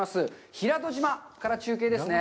平戸島から中継ですね。